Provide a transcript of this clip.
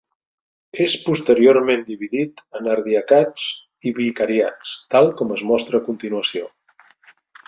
És posteriorment dividit en ardiacats i vicariats, tal com es mostra a continuació.